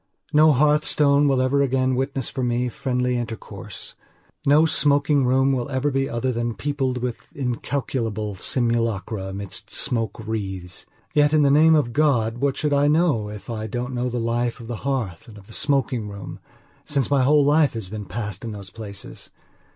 No hearthstone will ever again witness, for me, friendly intercourse. No smoking room will ever be other than peopled with incalculable simulacra amidst smoke wreaths. Yet, in the name of God, what should I know if I don't know the life of the hearth and of the smoking room, since my whole life has been passed in those places?